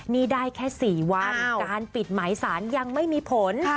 นี่ได้แค่๔วันการปิดหมายสารยังไม่มีผล